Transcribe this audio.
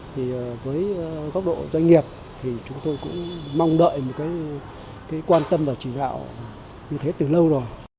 thì với góc độ doanh nghiệp thì chúng tôi cũng mong đợi một cái quan tâm và chỉ đạo như thế từ lâu rồi